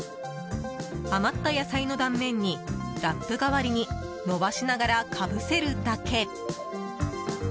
余った野菜の断面にラップ代わりに伸ばしながらかぶせるだけ。